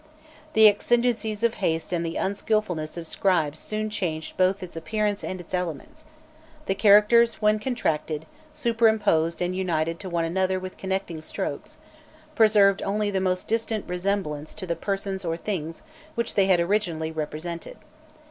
The exigencies of haste and the unskilfulness of scribes soon changed both its appearance and its elements; the characters when contracted, superimposed and united to one another with connecting strokes, preserved only the most distant resemblance to the persons or things which they had originally represented.